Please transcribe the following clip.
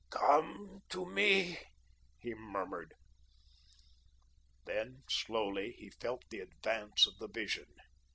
"Come to me," he murmured. Then slowly he felt the advance of the Vision.